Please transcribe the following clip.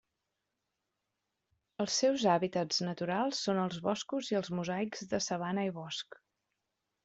Els seus hàbitats naturals són els boscos i els mosaics de sabana i bosc.